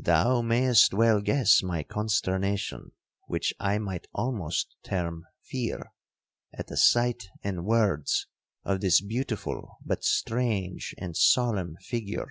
Thou mayest well guess my consternation, which I might almost term fear, at the sight and words of this beautiful but strange and solemn figure.